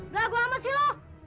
beragam banget sih lo